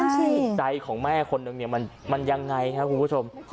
จิตใจของแม่คนหนึ่งเนี่ยมันยังไงครับคุณผู้ชม